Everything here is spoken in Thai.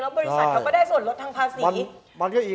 บริษัทเขาก็ได้ส่วนลดทางภาษี